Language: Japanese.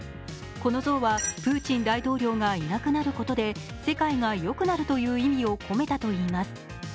この像は、プーチン大統領がいなくなることで世界がよくなるという意味を込めたといいます。